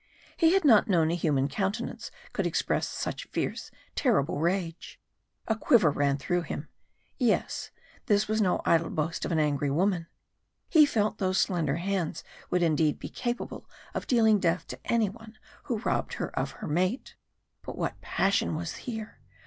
He had not known a human countenance could express such fierce, terrible rage. A quiver ran through him. Yes, this was no idle boast of an angry woman he felt those slender hands would indeed be capable of dealing death to any one who robbed her of her mate. But what passion was here!